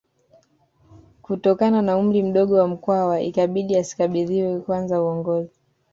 Kutokana na umri mdogo wa Mkwawa ikabidi asikabidhiwe kwanza uongozi